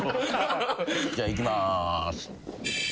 じゃあいきまーす。